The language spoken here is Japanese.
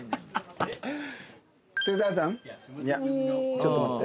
ちょっと待って。